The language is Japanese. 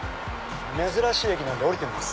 珍しい駅なので降りてみます。